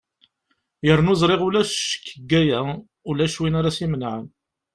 yernu ẓriɣ ulac ccek deg waya ulac win ara s-imenɛen